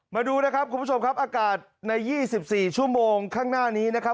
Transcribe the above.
มาดูนะครับคุณผู้ชมครับอากาศใน๒๔ชั่วโมงข้างหน้านี้นะครับ